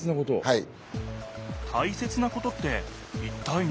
はい。